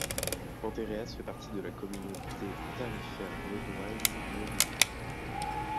Penthéréaz fait partie de la communauté tarifaire vaudoise Mobilis.